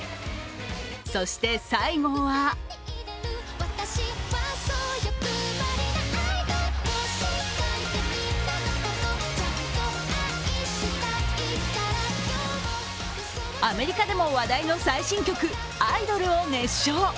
そして、最後はアメリカでも話題の最新曲「アイドル」を熱唱。